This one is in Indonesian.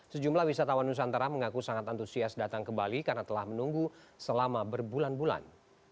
sejumlah wisatawan nusantara mengaku sangat antusias datang ke bali karena telah menunggu selama berbulan bulan